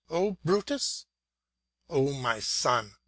O Brutus! O my son!